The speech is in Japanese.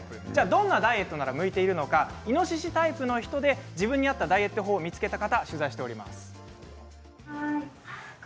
どんなダイエットなら向いているのかイノシシタイプの人で自分に合ったダイエット法を見つけた方を取材しました。